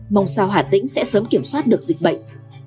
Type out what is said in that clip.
mong sao hà tĩnh sẽ sớm kiểm soát được dịch bệnh